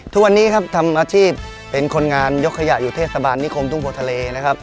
ทุกวันนี้ทำอาชีพเป็นคนงานยกขยะอยู่เทศบาลนิคมตุ้งโพทะเล